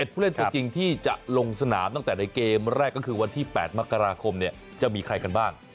ผู้เล่นตัวจริงที่จะลงสนามตั้งแต่ในเกมแรกก็คือวันที่๘มกราคมจะมีใครกันบ้าง